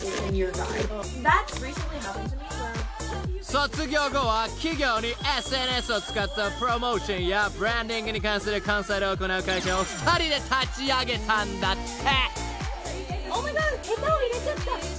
［卒業後は企業にＳＮＳを使ったプロモーションやブランディングに関するコンサルを行う会社を２人で立ち上げたんだって］